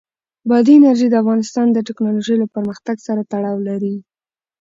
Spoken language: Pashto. بادي انرژي د افغانستان د تکنالوژۍ له پرمختګ سره تړاو لري.